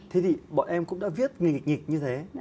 thế thì bọn em cũng đã viết nghịch nghịch như thế